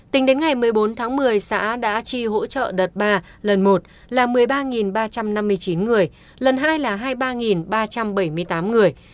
tính đến ngày một mươi bốn tháng một mươi xã đã tri hỗ trợ đợt ba lần một là một mươi ba ba trăm năm mươi chín người lần hai là hai mươi ba ba trăm bảy mươi tám người